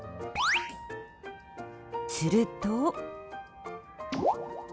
すると。